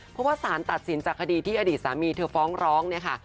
เพราะว่าสารตัดสินจากคดีที่อดีตสามีเธอฟ้องร้องเนี่ยค่ะ